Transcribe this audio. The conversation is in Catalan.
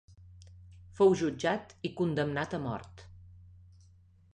Fou jutjat i condemnat a mort.